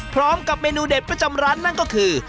พร้อมกับเมนูเด็ดประจำร้านนั่นก็คือ